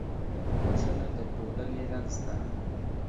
وژنه د ټولنې رنځ ده